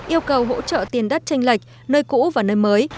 yêu cầu hỗ trợ tiền đất tranh lệch nơi cũ và nơi mới